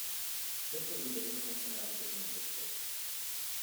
This was the beginning of analytic number theory.